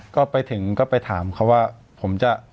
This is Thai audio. ก็ไปถึงก็ไปถามเขาว่าผมจะ